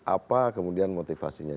apa kemudian motivasinya